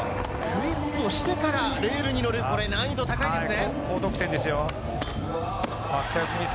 フリップしてからレールに乗る、難易度が高いものです。